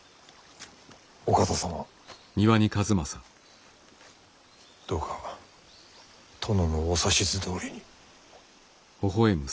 お方様どうか殿のお指図どおりに。